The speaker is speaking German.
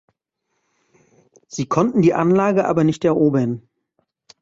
Sie konnten die Anlage aber nicht erobern.